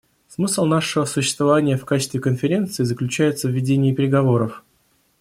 Смысл нашего существования в качестве Конференции заключается в ведении переговоров.